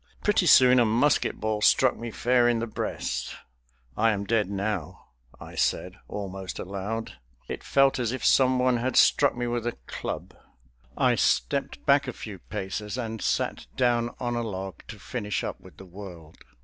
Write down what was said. Pretty soon a musket ball struck me fair in the breast. "I am dead, now," I said, almost aloud. It felt as if someone had struck me with a club. I stepped back a few paces and sat down on a log to finish up with the world.